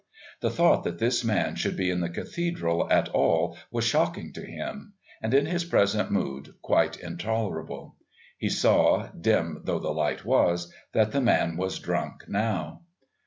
The thought that this man should be in the Cathedral at all was shocking to him and, in his present mood, quite intolerable. He saw, dim though the light was, that the man was drunk now.